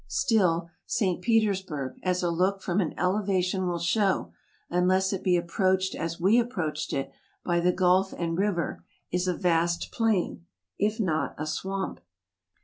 Still, St. Petersburg, as a look from an elevation will show, unless it be ap proached as we approached it, by the gulf and river, is a vast plain, if not a swamp.